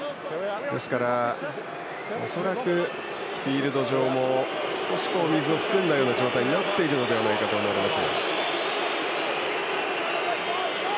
ですから、恐らくフィールド上も少し水を含んだような状態になっていると思います。